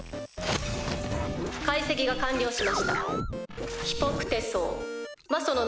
「解析が完了しました」。